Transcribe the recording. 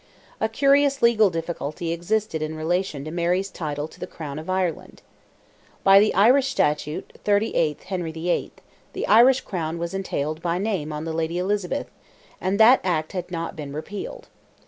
A curious legal difficulty existed in relation to Mary's title to the Crown of Ireland. By the Irish Statute, 38. Hen. VIII., the Irish crown was entailed by name on the Lady Elizabeth, and that act had not been repealed.